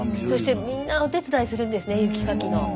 そしてみんなお手伝いするんですね雪かきの。